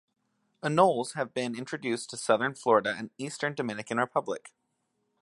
Anoles have been introduced into southern Florida and eastern Dominican Republic.